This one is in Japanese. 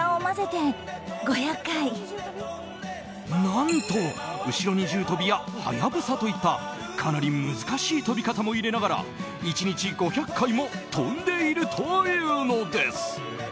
何と、後ろ二重跳びやはやぶさといったかなり難しい跳び方も入れながら１日５００回も跳んでいるというのです。